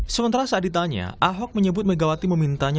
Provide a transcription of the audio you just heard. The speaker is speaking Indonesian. sementara saat ditanya ahok menyebut megawati memintanya